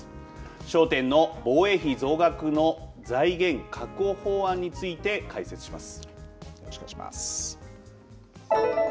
焦点の防衛費増額の財源確保法案について解説します。